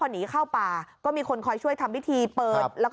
ห้ะเหรอ